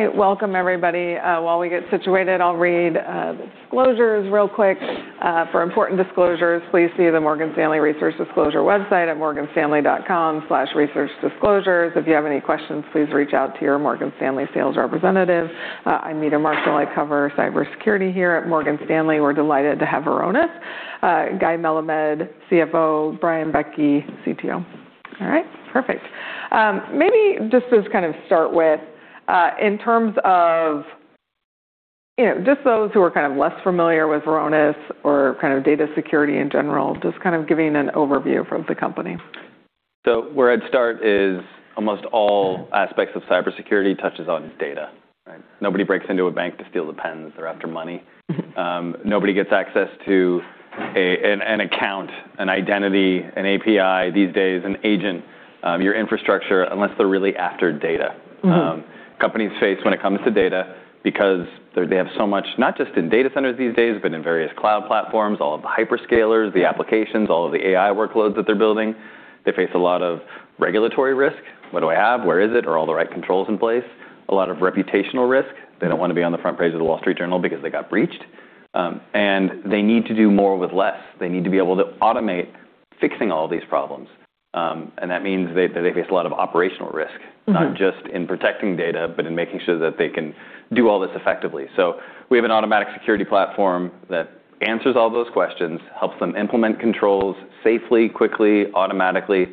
All right. Welcome, everybody. While we get situated, I'll read the disclosures real quick. For important disclosures, please see the Morgan Stanley Research Disclosure website at morganstanley.com/researchdisclosures. If you have any questions, please reach out to your Morgan Stanley sales representative. I'm Meta Marshall. I cover cybersecurity here at Morgan Stanley. We're delighted to have Varonis, Guy Melamed, CFO, Brian Vecci, CTO. All right, perfect. Maybe just to kind of start with, in terms of, you know, just those who are kind of less familiar with Varonis or kind of data security in general, just kind of giving an overview of the company. Where I'd start is almost all aspects of cybersecurity touches on data, right? Nobody breaks into a bank to steal the pens. They're after money. Nobody gets access to an account, an identity, an API these days, an agent, your infrastructure, unless they're really after data. Companies face when it comes to data because they have so much, not just in data centers these days, but in various cloud platforms, all of the hyperscalers, the applications, all of the AI workloads that they're building. They face a lot of regulatory risk. What do I have? Where is it? Are all the right controls in place? A lot of reputational risk. They don't wanna be on the front page of the Wall Street Journal because they got breached. They need to do more with less. They need to be able to automate fixing all these problems. That means they face a lot of operational risk. Not just in protecting data, but in making sure that they can do all this effectively. We have an automatic security platform that answers all those questions, helps them implement controls safely, quickly, automatically.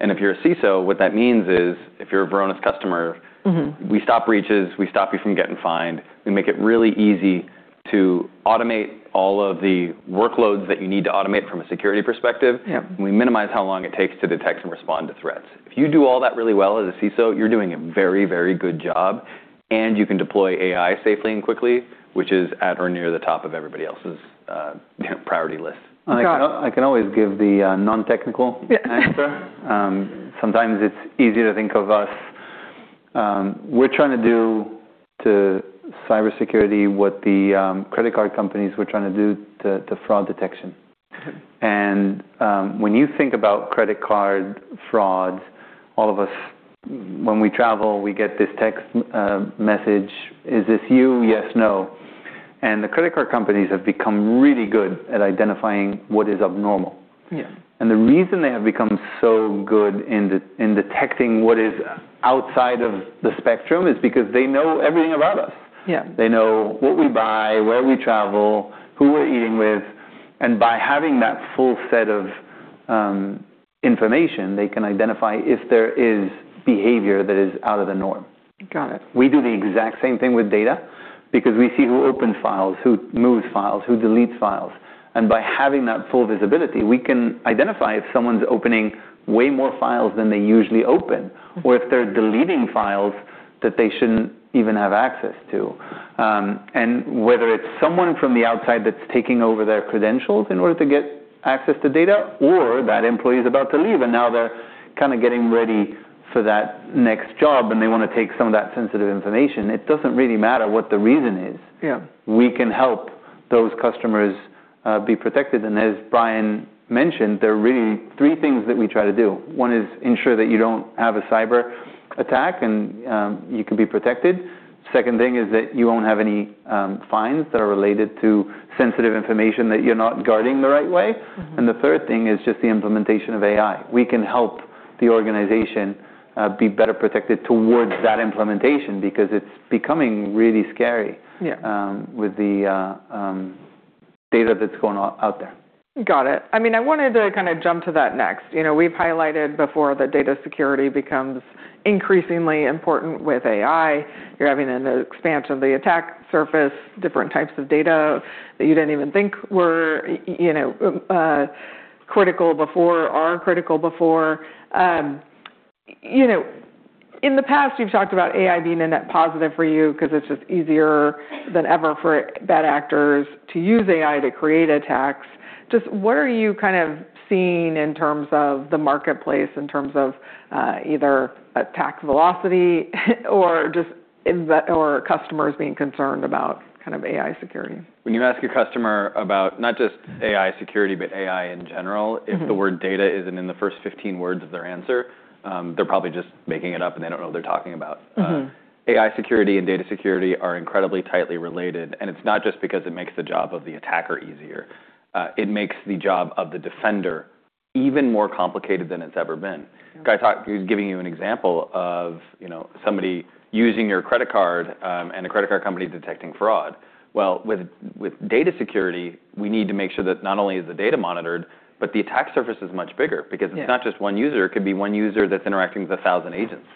If you're a CISO, what that means is if you're a Varonis customer. We stop breaches, we stop you from getting fined. We make it really easy to automate all of the workloads that you need to automate from a security perspective. We minimize how long it takes to detect and respond to threats. If you do all that really well as a CISO, you're doing a very, very good job, and you can deploy AI safely and quickly, which is at or near the top of everybody else's, you know, priority list. Got it. I can always give the non-technical answer. Sometimes it's easier to think of us. We're trying to do to cybersecurity what the credit card companies were trying to do to fraud detection. When you think about credit card fraud, all of us when we travel, we get this text message. "Is this you? Yes. No." The credit card companies have become really good at identifying what is abnormal. Yeah. The reason they have become so good in detecting what is outside of the spectrum is because they know everything about us. They know what we buy, where we travel, who we're eating with. By having that full set of, information, they can identify if there is behavior that is out of the norm. Got it. We do the exact same thing with data because we see who opens files, who moves files, who deletes files. By having that full visibility, we can identify if someone's opening way more files than they usually open or if they're deleting files that they shouldn't even have access to. Whether it's someone from the outside that's taking over their credentials in order to get access to data or that employee's about to leave and now they're kind of getting ready for that next job, and they wanna take some of that sensitive information. It doesn't really matter what the reason is. Yeah. We can help those customers be protected. As Brian mentioned, there are really three things that we try to do. One is ensure that you don't have a cyber attack and you can be protected. Second thing is that you won't have any fines that are related to sensitive information that you're not guarding the right way. The third thing is just the implementation of AI. We can help the organization be better protected towards that implementation because it's becoming really scary with the, data that's going out there. Got it. I mean, I wanted to kinda jump to that next. You know, we've highlighted before that data security becomes increasingly important with AI. You're having an expanse of the attack surface, different types of data that you didn't even think were, you know, critical before or aren't critical before. You know, in the past, you've talked about AI being a net positive for you 'cause it's just easier than ever for bad actors to use AI to create attacks. Just what are you kind of seeing in terms of the marketplace, in terms of, either attack velocity or customers being concerned about kind of AI security? When you ask a customer about not just AI security, but AI in general. If the word data isn't in the first 15 words of their answer, they're probably just making it up, and they don't know what they're talking about. AI security and data security are incredibly tightly related. It's not just because it makes the job of the attacker easier. It makes the job of the defender even more complicated than it's ever been. Okay. Guy was giving you an example of, you know, somebody using your credit card, and a credit card company detecting fraud. Well, with data security, we need to make sure that not only is the data monitored, but the attack surface is much bigger because. It's not just one user. It could be one user that's interacting with 1,000 agents.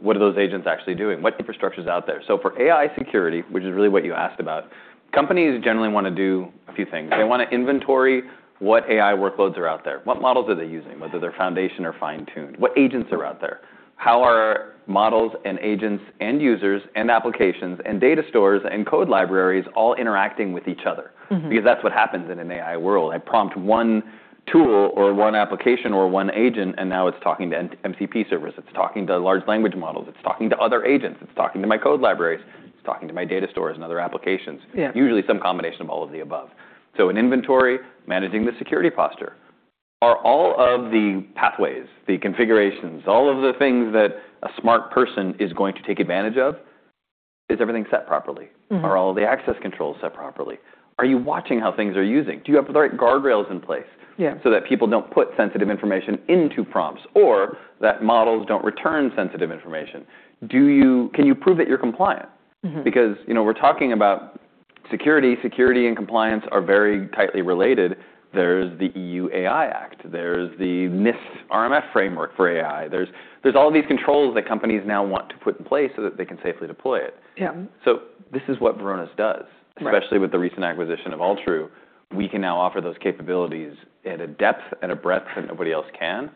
What are those agents actually doing? What infrastructure's out there? For AI security, which is really what you asked about, companies generally wanna do a few things. They wanna inventory what AI workloads are out there. What models are they using, whether they're foundation or fine-tuned? What agents are out there? How are models and agents, end users and applications and data stores and code libraries all interacting with each other? That's what happens in an AI world. I prompt one tool or one application or one agent, and now it's talking to an MCP service. It's talking to large language models. It's talking to other agents. It's talking to my code libraries. It's talking to my data stores and other applications. Usually some combination of all of the above. An inventory managing the security posture. Are all of the pathways, the configurations, all of the things that a smart person is going to take advantage of, is everything set properly? Are all the access controls set properly? Are you watching how things are using? Do you have the right guardrails in place. So that people don't put sensitive information into prompts or that models don't return sensitive information? Can you prove that you're compliant? You know, we're talking about security. Security and compliance are very tightly related. There's the EU AI Act, there's the NIST RMF framework for AI. There's all these controls that companies now want to put in place so that they can safely deploy it. Yeah. This is what Varonis does. Right. Especially with the recent acquisition of AllTrue, we can now offer those capabilities at a depth and a breadth that nobody else can.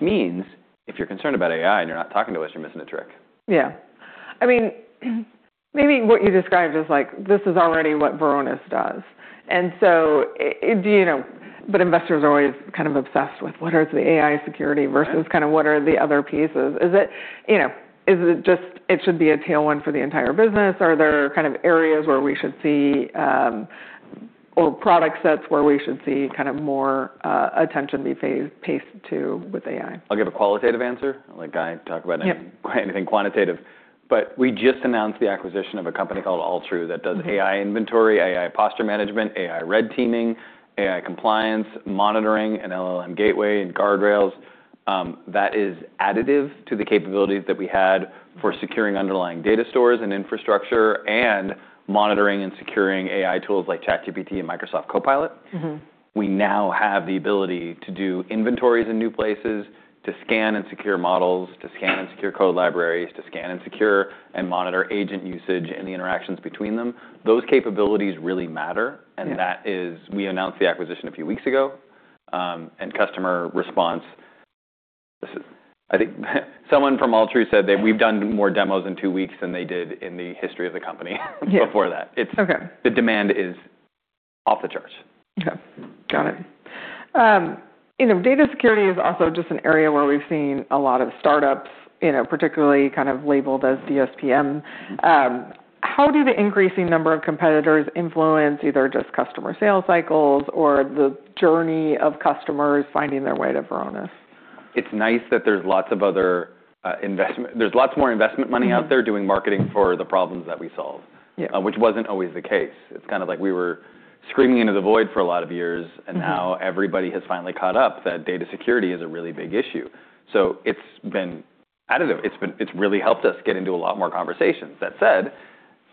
Means if you're concerned about AI and you're not talking to us, you're missing a trick. Yeah. I mean, maybe what you described is like, this is already what Varonis does, and so, do you know. Investors are always kind of obsessed with what is the AI security versus kind of what are the other pieces. Is it, you know, is it just, it should be a tailwind for the entire business? Are there kind of areas where we should see, or product sets where we should see kind of more attention be paced to with AI? I'll give a qualitative answer. I'll let Guy talk about anything quantitative. We just announced the acquisition of a company called AllTrue that does AI inventory, AI posture management, AI red teaming, AI compliance, monitoring, and LLM gateway and guardrails, that is additive to the capabilities that we had for securing underlying data stores and infrastructure and monitoring and securing AI tools like ChatGPT and Microsoft Copilot. We now have the ability to do inventories in new places, to scan and secure models, to scan and secure code libraries, to scan and secure and monitor agent usage and the interactions between them. Those capabilities really matter, and that is-- We announced the acquisition a few weeks ago, and customer response, this is-- I think someone from AllTrue said that we've done more demos in two weeks than they did in the history of the company before that. Okay. The demand is off the charts. Okay. Got it. You know, data security is also just an area where we've seen a lot of startups, you know, particularly kind of labeled as DSPM. How do the increasing number of competitors influence either just customer sales cycles or the journey of customers finding their way to Varonis? It's nice that there's lots of other, there's lots more investment money out there doing marketing for the problems that we solve. Which wasn't always the case. It's kind of like we were screaming into the void for a lot of years. Now everybody has finally caught up that data security is a really big issue. It's been-- I don't know. It's really helped us get into a lot more conversations. That said,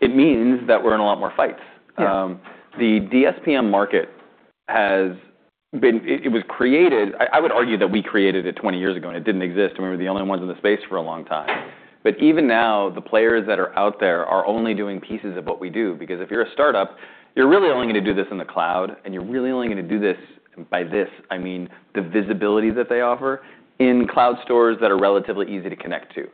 it means that we're in a lot more fights. Yeah. The DSPM market has been. I would argue that we created it 20 years ago, and it didn't exist, and we were the only ones in the space for a long time. Even now, the players that are out there are only doing pieces of what we do. If you're a startup, you're really only gonna do this in the cloud, and you're really only gonna do this, by this, I mean the visibility that they offer, in cloud stores that are relatively easy to connect to.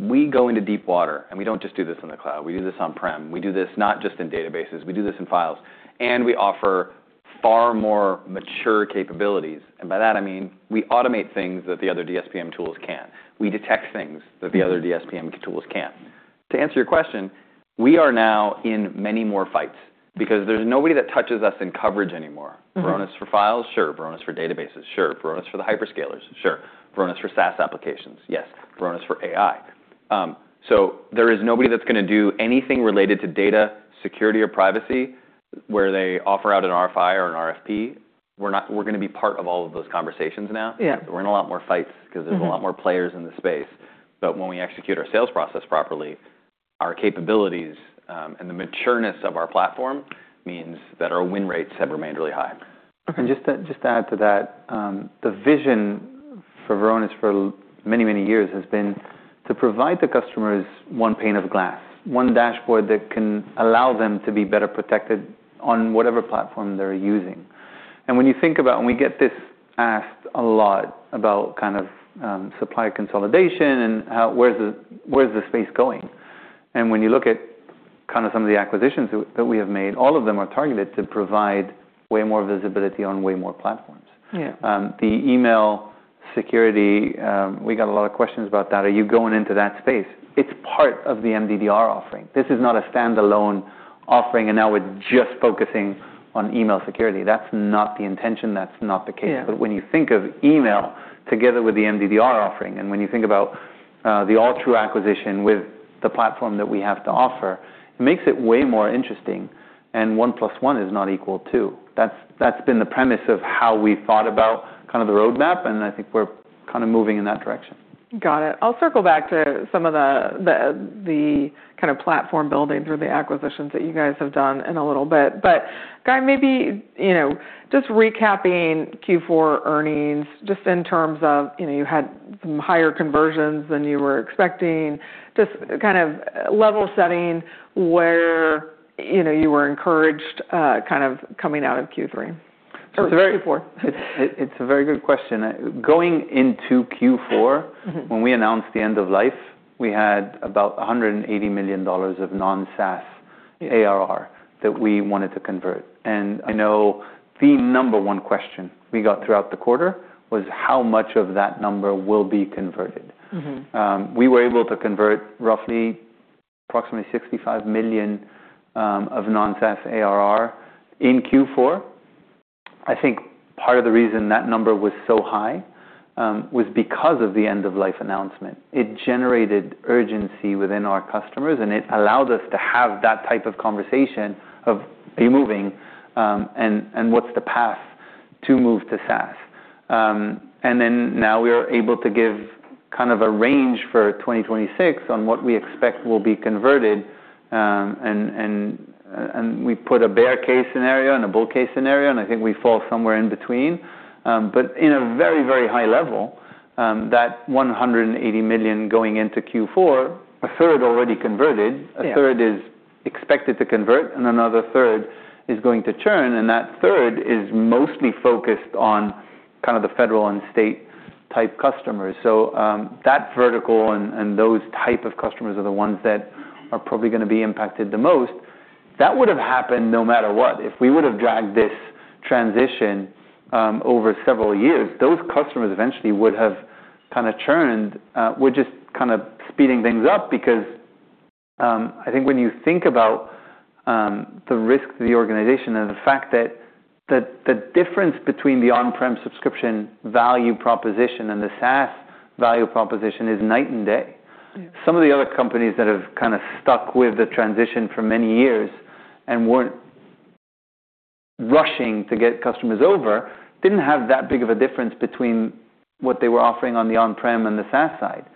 We go into deep water. We don't just do this in the cloud. We do this on-prem. We do this not just in databases. We do this in files. We offer far more mature capabilities, and by that, I mean, we automate things that the other DSPM tools can't. We detect things that the other DSPM tools can't. To answer your question, we are now in many more fights because there's nobody that touches us in coverage anymore. Varonis for files? Sure. Varonis for databases? Sure. Varonis for the hyperscalers? Sure. Varonis for SaaS applications? Yes. Varonis for AI. There is nobody that's gonna do anything related to data security or privacy where they offer out an RFI or an RFP. We're gonna be part of all of those conversations now. Yeah. We're in a lot more fights 'cause there's a lot more players in the space. When we execute our sales process properly, our capabilities, and the maturity of our platform means that our win rates have remained really high. Okay. Just to add to that, the vision for Varonis for many, many years has been to provide the customers one pane of glass, one dashboard that can allow them to be better protected on whatever platform they're using. When you think about, and we get this asked a lot about kind of supply consolidation and where's the space going? When you look at kind of some of the acquisitions that we have made, all of them are targeted to provide way more visibility on way more platforms. Yeah. The email security, we got a lot of questions about that. Are you going into that space? It's part of the MDDR offering. This is not a standalone offering. Now we're just focusing on email security. That's not the intention. That's not the case. When you think of email together with the MDDR offering, when you think about the AllTrue acquisition with the platform that we have to offer, it makes it way more interesting. One plus one does not equal two. That's been the premise of how we thought about kind of the roadmap. I think we're kinda moving in that direction. Got it. I'll circle back to some of the kind of platform building through the acquisitions that you guys have done in a little bit. Guy, maybe, you know, just recapping Q4 earnings, just in terms of, you know, you had some higher conversions than you were expecting. Just kind of level setting where, you know, you were encouraged, kind of coming out of Q3-- Q4. It's a very good question. Going into Q4. When we announced the end of life, we had about $180 million of non-SaaS ARR that we wanted to convert. I know the number one question we got throughout the quarter was how much of that number will be converted? We were able to convert approximately $65 million of non-SaaS ARR in Q4. I think part of the reason that number was so high was because of the end of life announcement. It generated urgency within our customers, and it allowed us to have that type of conversation of be moving, and what's the path to move to SaaS. Now we are able to give kind of a range for 2026 on what we expect will be converted, and we put a bear case scenario and a bull case scenario, and I think we fall somewhere in between. In a very, very high level, that $180 million going into Q4, a third already converted. Yeah. A third is expected to convert. Another third is going to churn. That third is mostly focused on kind of the federal and state type customers. That vertical and those type of customers are the ones that are probably gonna be impacted the most. That would have happened no matter what. If we would have dragged this transition over several years, those customers eventually would have kind of churned. We're just kind of speeding things up because I think when you think about the risk to the organization and the fact that the difference between the on-prem subscription value proposition and the SaaS value proposition is night and day. Some of the other companies that have kinda stuck with the transition for many years and weren't rushing to get customers over didn't have that big of a difference between what they were offering on the on-prem and the SaaS side.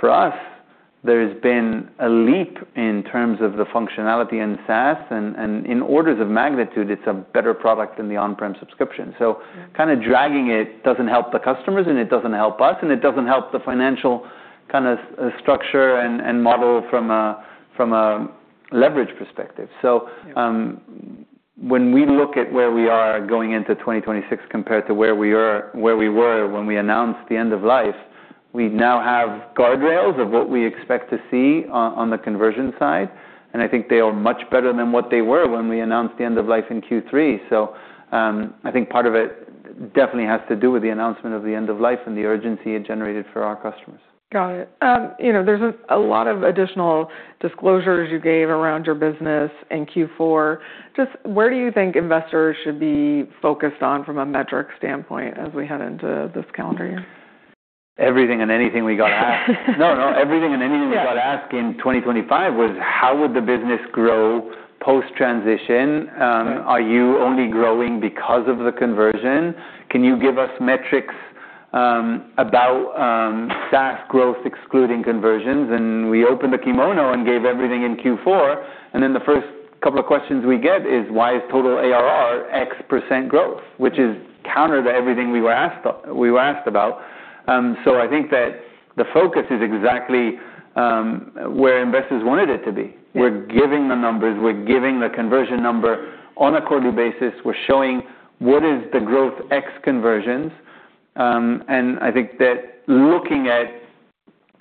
For us, there's been a leap in terms of the functionality in SaaS and in orders of magnitude, it's a better product than the on-prem subscription. Kinda dragging it doesn't help the customers, and it doesn't help us, and it doesn't help the financial kinda structure and model from a leverage perspective. When we look at where we are going into 2026 compared to where we were when we announced the end of life, we now have guardrails of what we expect to see on the conversion side, and I think they are much better than what they were when we announced the end of life in Q3. I think part of it definitely has to do with the announcement of the end of life and the urgency it generated for our customers. Got it. you know, there's a lot of additional disclosures you gave around your business in Q4. Just where do you think investors should be focused on from a metric standpoint as we head into this calendar year? Everything and anything we got asked. No, no. In 2025 was how would the business grow post-transition? Are you only growing because of the conversion? Can you give us metrics, about SaaS growth excluding conversions? We opened the kimono and gave everything in Q4, then the first couple of questions we get is, "Why is total ARR X% growth?" Which is counter to everything we were asked about. I think that the focus is exactly where investors wanted it to be. We're giving the numbers, we're giving the conversion number on a quarterly basis. We're showing what is the growth ex conversions. I think that looking at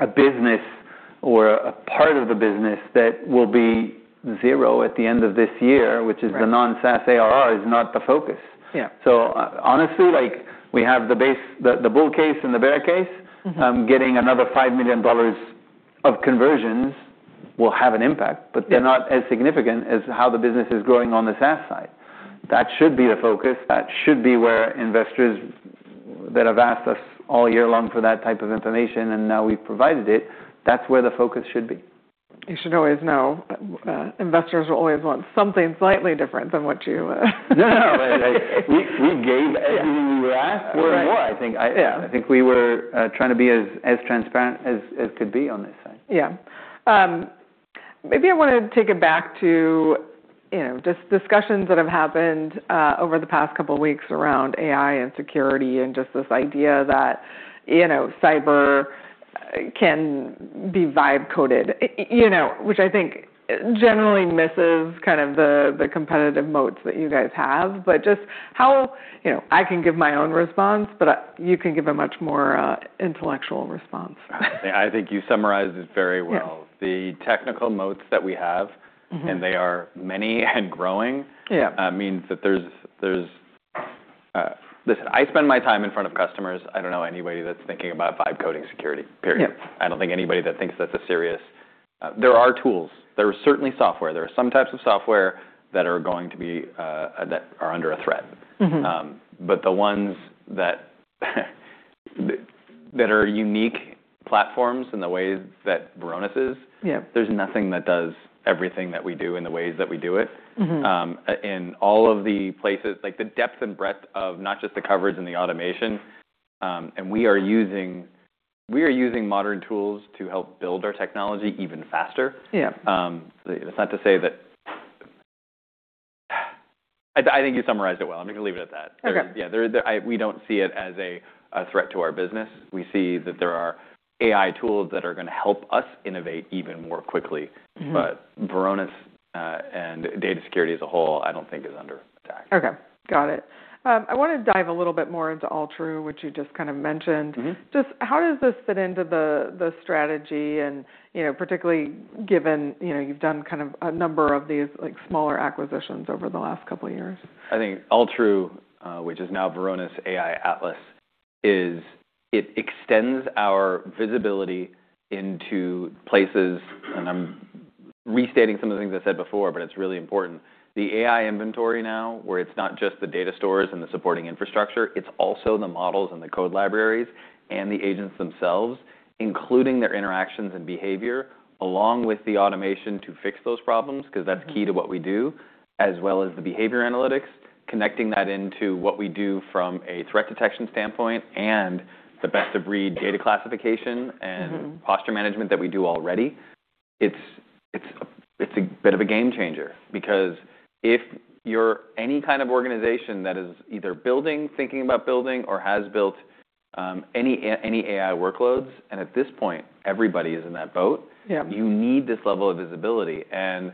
a business or a part of the business that will be zero at the end of this year. The non-SaaS ARR is not the focus. Honestly, like, the bull case and the bear case. Getting another $5 million of conversions will have an impact. But they're not as significant as how the business is growing on the SaaS side. That should be the focus. That should be where investors that have asked us all year long for that type of information, and now we've provided it, that's where the focus should be. You should always know, investors will always want something slightly different than what you. No, no. We gave everything we were asked for and more, I think we were trying to be as transparent as could be on this side. Yeah. Maybe I wanna take it back to, you know, just discussions that have happened over the past couple of weeks around AI and security and just this idea that, you know, cyber can be vibe coded. You know, which I think generally misses kind of the competitive moats that you guys have. Just how-- You know, I can give my own response, but you can give a much more intellectual response. I think you summarized it very well. The technical moats that we have. And they are many and growing. Means that there's-- Listen, I spend my time in front of customers. I don't know anybody that's thinking about vibe coding security, period. Yeah. I don't think anybody that thinks that's a serious. There are tools. There are certainly software. There are some types of software that are going to be that are under a threat. The ones that are unique platforms in the ways that Varonis. There's nothing that does everything that we do in the ways that we do it. All of the places, like the depth and breadth of not just the coverage and the automation, and we are using modern tools to help build our technology even faster. That's not to say that. I think you summarized it well. I'm gonna leave it at that. Okay. Yeah. We don't see it as a threat to our business. We see that there are AI tools that are gonna help us innovate even more quickly. Varonis, and data security as a whole, I don't think is under attack. Okay. Got it. I wanna dive a little bit more into AllTrue, which you just kind of mentioned. Just how does this fit into the strategy and, you know, particularly given, you know, you've done kind of a number of these, like, smaller acquisitions over the last couple of years? I think AllTrue, which is now Varonis AI Atlas extends our visibility into places, and I'm restating some of the things I said before, but it's really important. The AI inventory now, where it's not just the data stores and the supporting infrastructure, it's also the models and the code libraries and the agents themselves, including their interactions and behavior, along with the automation to fix those problems, 'cause that's key to what we do, as well as the behavior analytics, connecting that into what we do from a threat detection standpoint and the best-of-breed data classification. And posture management that we do already. It's a bit of a game changer, because if you're any kind of organization that is either building, thinking about building, or has built, any AI workloads, and at this point, everybody is in that boat. You need this level of visibility. If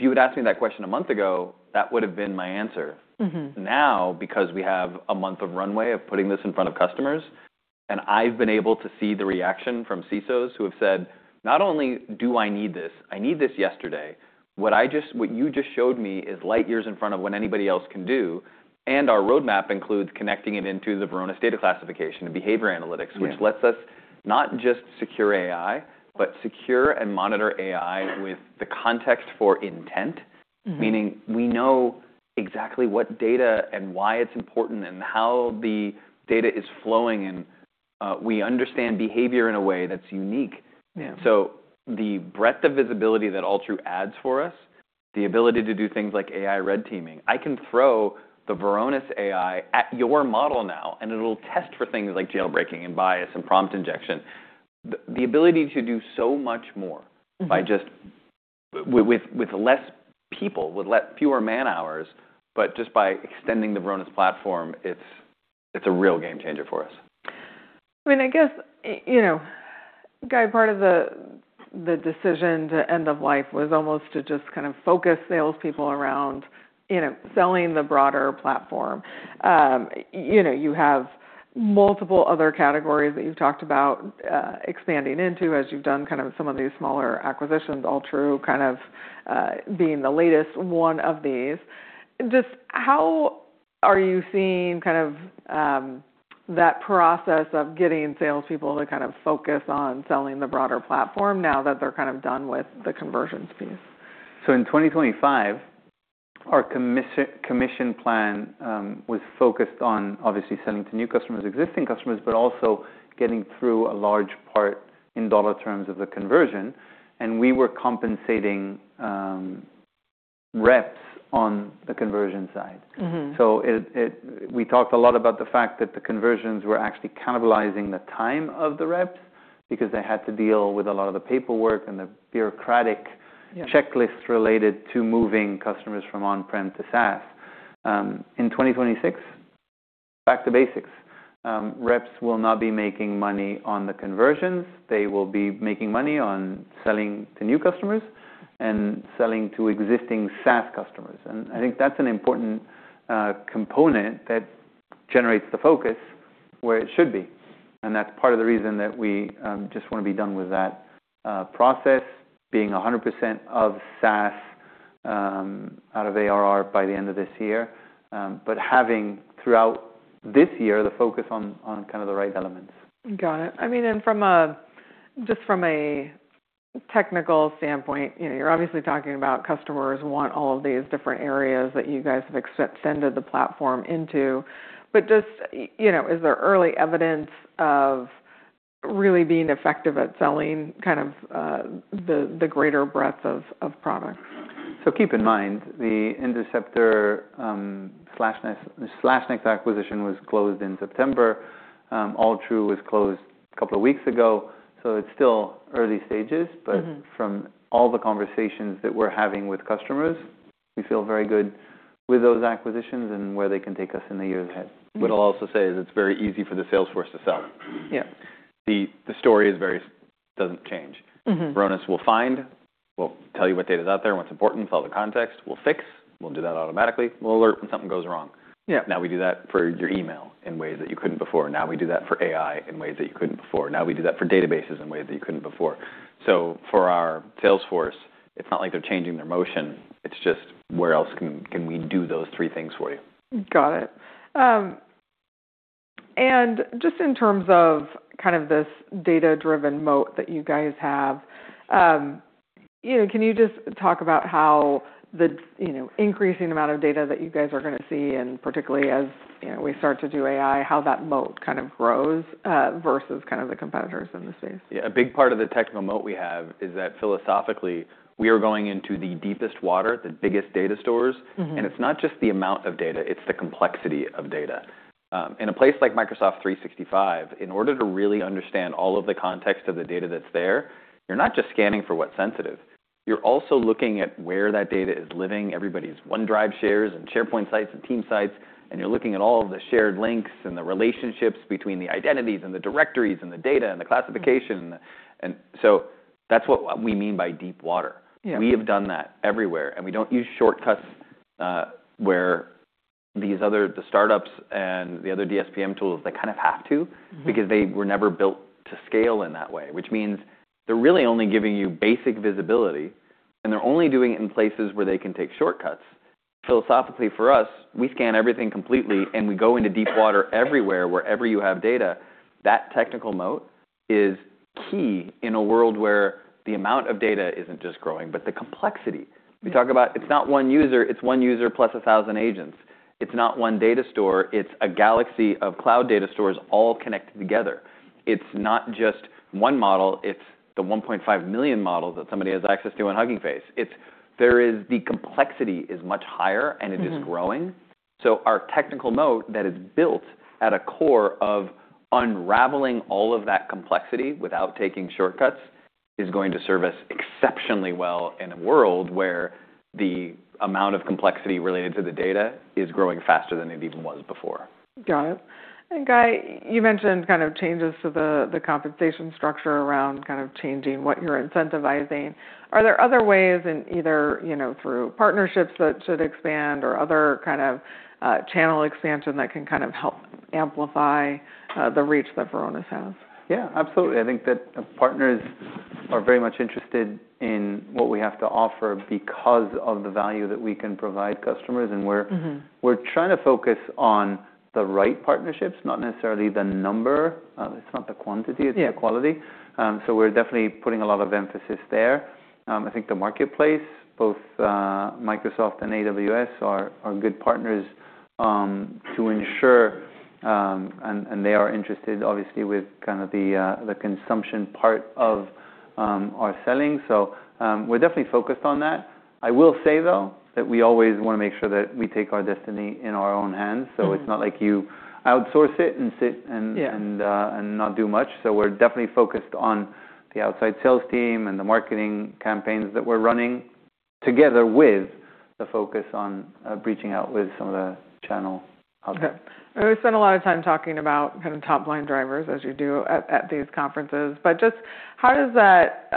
you had asked me that question a month ago, that would have been my answer. Because we have a month of runway of putting this in front of customers. I've been able to see the reaction from CISOs who have said, "Not only do I need this, I need this yesterday. What you just showed me is light years in front of what anybody else can do." Our roadmap includes connecting it into the Varonis data classification and behavior analytics which lets us not just secure AI, but secure and monitor AI with the context for intent. Meaning, we know exactly what data and why it's important and how the data is flowing and, we understand behavior in a way that's unique. The breadth of visibility that AllTrue adds for us, the ability to do things like AI red teaming. I can throw the Varonis AI at your model now, and it'll test for things like jailbreaking and bias and prompt injection. The ability to do so much more by just with less people, with fewer man-hours, but just by extending the Varonis platform, it's a real game changer for us. I mean, I guess, you know, Guy, part of the decision to end of life was almost to just kind of focus salespeople around, you know, selling the broader platform. You know, you have multiple other categories that you've talked about expanding into as you've done kind of some of these smaller acquisitions, AllTrue kind of being the latest one of these. Just how are you seeing kind of that process of getting salespeople to kind of focus on selling the broader platform now that they're kind of done with the conversions piece? In 2025, our commission plan was focused on obviously selling to new customers, existing customers, but also getting through a large part in dollar terms of the conversion, and we were compensating reps on the conversion side. We talked a lot about the fact that the conversions were actually cannibalizing the time of the reps because they had to deal with a lot of the paperwork and the bureaucratic checklists related to moving customers from on-prem to SaaS. In 2026, back to basics. Reps will not be making money on the conversions. They will be making money on selling to new customers and selling to existing SaaS customers. I think that's an important component that generates the focus where it should be. That's part of the reason that we just wanna be done with that process, being 100% of SaaS out of ARR by the end of this year, but having throughout this year the focus on kind of the right elements. Got it. I mean, from a, just from a technical standpoint, you know, you're obviously talking about customers want all of these different areas that you guys have extended the platform into. Just, you know, is there early evidence of really being effective at selling kind of, the greater breadth of products? Keep in mind, the Interceptor, SlashNext acquisition was closed in September. AllTrue was closed a couple of weeks ago, so it's still early stages. From all the conversations that we're having with customers, we feel very good with those acquisitions and where they can take us in the years ahead. What I'll also say is it's very easy for the sales force to sell. The story is doesn't change. Varonis will find, we'll tell you what data is out there and what's important with all the context. We'll fix, we'll do that automatically. We'll alert when something goes wrong. Yeah. Now we do that for your email in ways that you couldn't before. Now we do that for AI in ways that you couldn't before. Now we do that for databases in ways that you couldn't before. For our sales force, it's not like they're changing their motion, it's just where else can we do those three things for you. Got it. Just in terms of kind of this data-driven moat that you guys have, you know, can you just talk about how the, you know, increasing amount of data that you guys are gonna see, and particularly as, you know, we start to do AI, how that moat kind of grows, versus kind of the competitors in the space? Yeah. A big part of the technical moat we have is that philosophically, we are going into the deepest water, the biggest data stores. It's not just the amount of data, it's the complexity of data. In a place like Microsoft 365, in order to really understand all of the context of the data that's there, you're not just scanning for what's sensitive. You're also looking at where that data is living, everybody's OneDrive shares and SharePoint sites and Team sites, and you're looking at all of the shared links and the relationships between the identities and the directories and the data and the classification and the-- That's what we mean by deep water. Yeah. We have done that everywhere, and we don't use shortcuts, where the startups and the other DSPM tools, they kind of have to. Because they were never built to scale in that way, which means they're really only giving you basic visibility. They're only doing it in places where they can take shortcuts. Philosophically, for us, we scan everything completely, and we go into deep water everywhere, wherever you have data. That technical moat is key in a world where the amount of data isn't just growing, but the complexity. We talk about it's not one user, it's one user +1,000 agents. It's not one data store, it's a galaxy of cloud data stores all connected together. It's not just one model, it's the 1.5 million models that somebody has access to on Hugging Face. There is the complexity is much higher and it is growing. Our technical moat that is built at a core of unraveling all of that complexity without taking shortcuts is going to serve us exceptionally well in a world where the amount of complexity related to the data is growing faster than it even was before. Got it. Guy, you mentioned kind of changes to the compensation structure around kind of changing what you're incentivizing. Are there other ways in either, you know, through partnerships that should expand or other kind of channel expansion that can kind of help amplify the reach that Varonis has? Yeah. Absolutely. I think that partners are very much interested in what we have to offer because of the value that we can provide customers. We're trying to focus on the right partnerships, not necessarily the number. It's not the quantity. It's the quality. We're definitely putting a lot of emphasis there. I think the marketplace, both Microsoft and AWS are good partners to ensure, and they are interested obviously with kind of the consumption part of our selling. We're definitely focused on that. I will say, though, that we always wanna make sure that we take our destiny in our own hands. It's not like you outsource it and sit. And not do much. We're definitely focused on the outside sales team and the marketing campaigns that we're running together with the focus on, reaching out with some of the channel partners. Okay. We've spent a lot of time talking about kind of top-line drivers as you do at these conferences, but just how does that,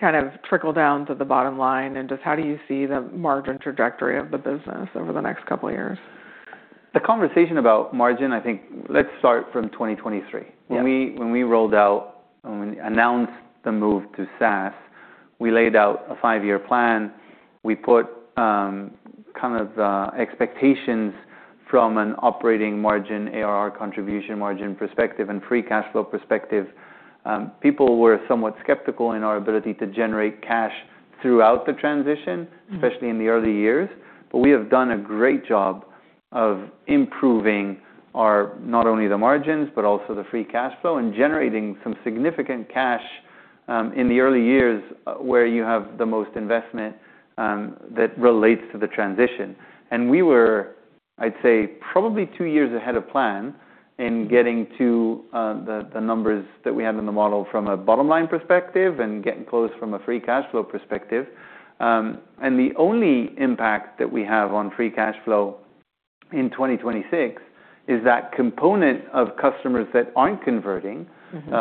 kind of trickle down to the bottom line? Just how do you see the margin trajectory of the business over the next couple of years? The conversation about margin, I think let's start from 2023. When we announced the move to SaaS, we laid out a five-year plan. We put, kind of, expectations from an operating margin, ARR contribution margin perspective and free cash flow perspective. People were somewhat skeptical in our ability to generate cash throughout the transition. Especially in the early years. We have done a great job of improving our, not only the margins but also the free cash flow and generating some significant cash, in the early years where you have the most investment, that relates to the transition. We were, I'd say, probably two years ahead of plan in getting to the numbers that we have in the model from a bottom-line perspective and getting close from a free cash flow perspective. The only impact that we have on free cash flow in 2026 is that component of customers that aren't converting,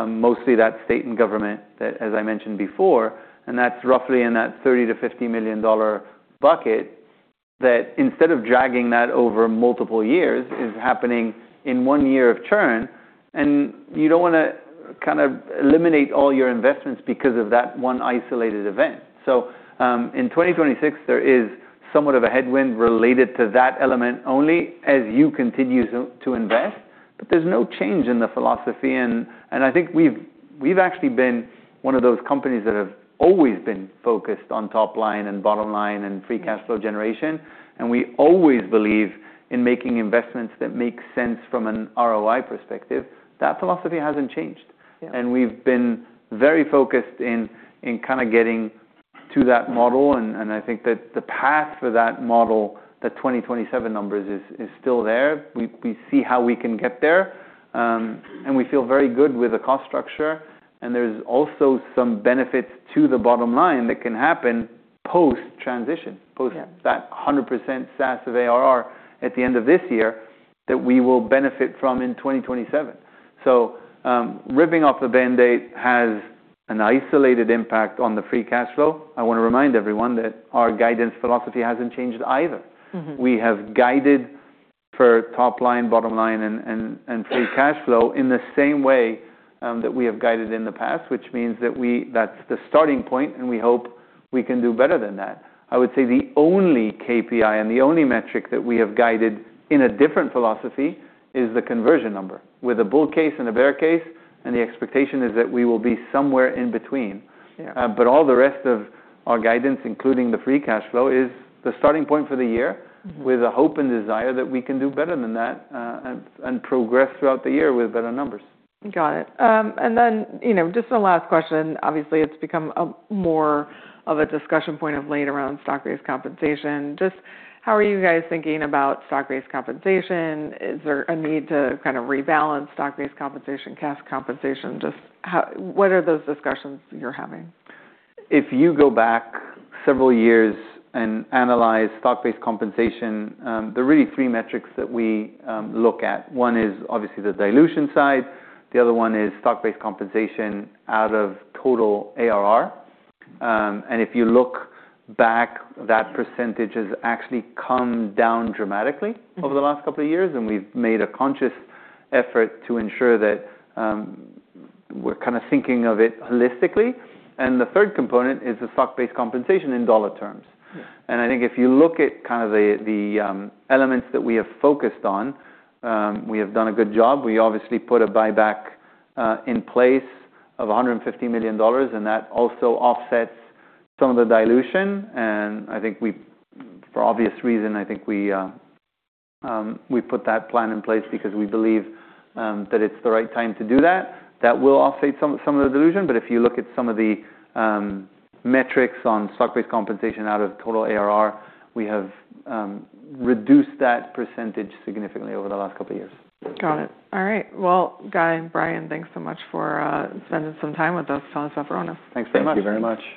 mostly that state and government that, as I mentioned before, and that's roughly in that $30 million-$50 million bucket, that instead of dragging that over multiple years, is happening in one year of churn, and you don't wanna kind of eliminate all your investments because of that one isolated event. In 2026, there is somewhat of a headwind related to that element only as you continue to invest. There's no change in the philosophy and I think we've actually been one of those companies that have always been focused on top line and bottom line and free cash flow generation, and we always believe in making investments that make sense from an ROI perspective. That philosophy hasn't changed. Yeah. We've been very focused in kinda getting to that model, and I think that the path for that model, the 2027 numbers is still there. We see how we can get there. We feel very good with the cost structure, and there's also some benefits to the bottom line that can happen post-transition. Post that 100% SaaS of ARR at the end of this year that we will benefit from in 2027. Ripping off the Band-Aid has an isolated impact on the free cash flow. I wanna remind everyone that our guidance philosophy hasn't changed either. We have guided for top line, bottom line, and free cash flow in the same way that we have guided in the past, which means that that's the starting point. We hope we can do better than that. I would say the only KPI and the only metric that we have guided in a different philosophy is the conversion number, with a bull case and a bear case. The expectation is that we will be somewhere in between. All the rest of our guidance, including the free cash flow, is the starting point for the year with a hope and desire that we can do better than that, and progress throughout the year with better numbers. Got it. you know, just the last question, obviously, it's become a more of a discussion point of late around stock-based compensation. Just how are you guys thinking about stock-based compensation? Is there a need to kind of rebalance stock-based compensation, cash compensation? Just what are those discussions you're having? If you go back several years and analyze stock-based compensation, there are really three metrics that we look at. One is obviously the dilution side, the other one is stock-based compensation out of total ARR. If you look back, that percentage has actually come down dramatically over the last couple of years, and we've made a conscious effort to ensure that, we're kind of thinking of it holistically. The third component is the stock-based compensation in dollar terms. I think if you look at kind of the elements that we have focused on, we have done a good job. We obviously put a buyback in place of $150 million, and that also offsets some of the dilution. I think for obvious reason, I think we put that plan in place because we believe that it's the right time to do that. That will offset some of the dilution. If you look at some of the metrics on stock-based compensation out of total ARR, we have reduced that percentage significantly over the last couple of years. Got it. All right. Well, Guy and Brian, thanks so much for spending some time with us telling us about Varonis. Thanks very much. Thank you very much.